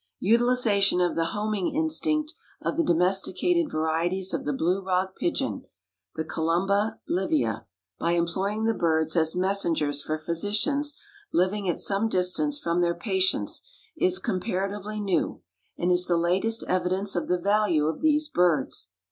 Utilization of the homing instinct of the domesticated varieties of the Blue Rock pigeon, the columba livia, by employing the birds as messengers for physicians living at some distance from their patients, is comparatively new and is the latest evidence of the value of these birds.